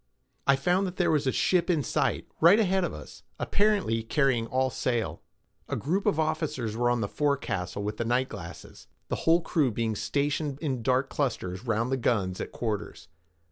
I found that there was a ship in sight, right ahead of us—apparently carrying all sail. A group of officers were on the forecastle with night glasses, the whole crew being stationed in dark clusters round the guns at quarters.